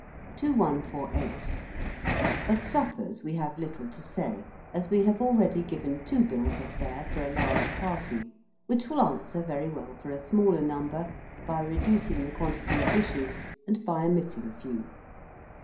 2148. Of suppers we have little to say, as we have already given two bills of fare for a large party, which will answer very well for a smaller number, by reducing the quantity of dishes and by omitting a few.